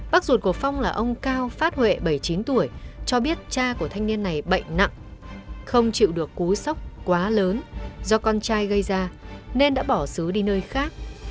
bác ruột của phong là ông cao phát huệ bảy mươi chín tuổi cho biết cha của thanh niên này bệnh nặng không chịu được cú sốc quá lớn do con trai gây ra nên đã bỏ xứ đi nơi khác